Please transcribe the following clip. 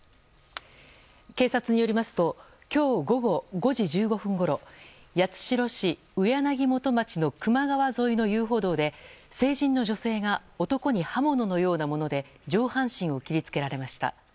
警察によりますと今日午後５時１５分ごろ八代市植柳元町の球磨川沿いの遊歩道で成人の女性が男に刃物のようなもので上半身を切り付けられました。